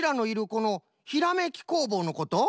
この「ひらめきこうぼう」のこと？